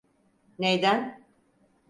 Neyden?